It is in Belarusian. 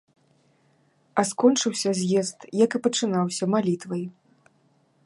А скончыўся з'езд, як і пачынаўся, малітвай.